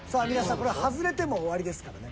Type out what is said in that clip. これ外れても終わりですからね。